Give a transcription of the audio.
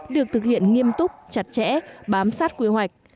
được thực hiện nghiêm túc chặt chẽ bám sát quy hoạch